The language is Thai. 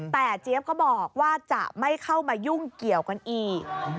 แต่เจี๊ยบก็บอกว่าจะไม่เข้ามายุ่งเกี่ยวกันอีก